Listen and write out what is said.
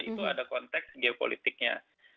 itu ada konteks geopolitiknya